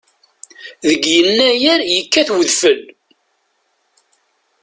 Deg yennayer yekkat udfel.